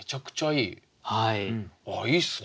いいっすね